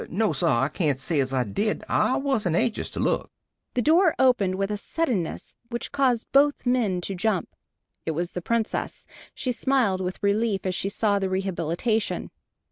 "No, sir. I cain't say as I did. I wasn't anxious to look." The door opened, with a suddenness which caused both men to jump. It was the Princess. She smiled with relief as she saw the rehabilitation.